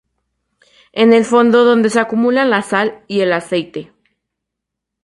En el fondo donde se acumulan la sal y el aceite.